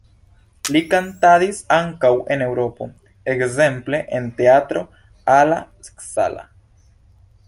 Li kantadis ankaŭ en Eŭropo, ekzemple en Teatro alla Scala.